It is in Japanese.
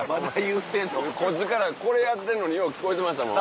こっちからこれやってんのによう聞こえてましたもん。